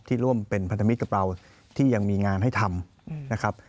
ร่วมเป็นพันธมิตรกับเราที่ยังมีงานให้ทำนะครับ